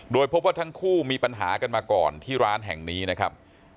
โดยพบว่าทั้งคู่มีปัญหากันมาก่อนที่ร้านแห่งนี้นะครับ